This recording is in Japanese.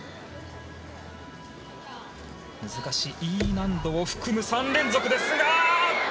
難しいＥ難度を含む３連続ですが。